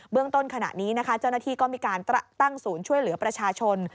ต้นขณะนี้นะคะเจ้าหน้าที่ก็มีการตั้งศูนย์ช่วยเหลือประชาชน